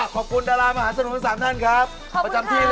ก็บอกติดตามหลวงงานพี่แจ็คด้วยค่ะ